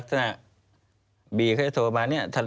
ควิทยาลัยเชียร์สวัสดีครับ